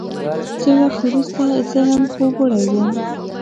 څه وخت وروسته زه هم خوب وړی وم.